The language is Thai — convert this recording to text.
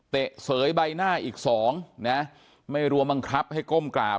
เสยใบหน้าอีกสองนะไม่รวมบังคับให้ก้มกราบ